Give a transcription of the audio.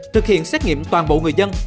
thực hiện xét nghiệm toàn bộ người dân